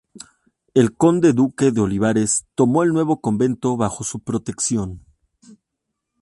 El conde-duque de Olivares tomó el nuevo convento bajo su protección.